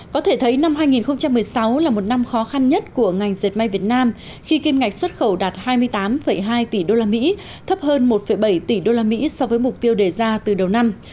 có thể thấy năm hai nghìn một mươi sáu là một năm khó khăn nhất của ngành dệt may việt nam khi kim ngạch xuất khẩu đạt hai mươi tám hai tỷ usd thấp hơn một bảy tỷ usd so với mục tiêu đề ra từ đầu năm